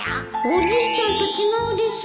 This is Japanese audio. おじいちゃんと違うです